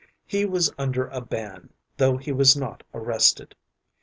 He was under a ban, though he was not arrested.